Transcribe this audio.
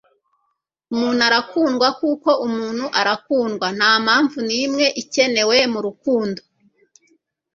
umuntu arakundwa kuko umuntu arakundwa nta mpamvu n'imwe ikenewe mu rukundo